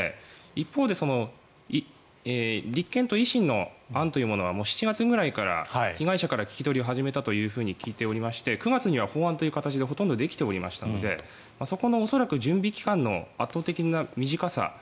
一方で立憲と維新の案というものは７月ぐらいから被害者から聞き取りを始めたと聞いていまして９月には法案という形でほとんどできておりましたのでそこの、恐らく準備期間の圧倒的な短さ。